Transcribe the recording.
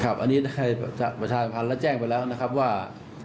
ครับอันนี้ประชาชนภัณฑ์แล้วแจ้งไปแล้วนะครับว่า